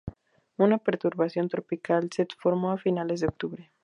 Una perturbación tropical se formó a finales de octubre.